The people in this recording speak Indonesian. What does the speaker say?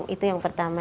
itu yang pertama